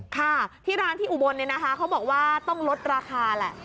ค่ะที่ร้านที่อุบลเนี่ยนะคะเขาบอกว่าต้องลดราคาแหละ